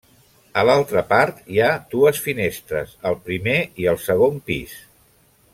A l'altra part hi ha dues finestres al primer i al segon pis.